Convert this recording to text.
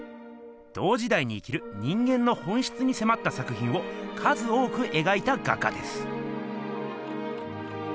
同時だいに生きる人間の本しつにせまった作品を数多くえがいた画家です。